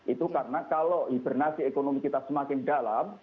itu karena kalau hibernasi ekonomi kita semakin dalam